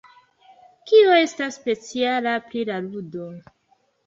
Kio estas speciala pri la ludo?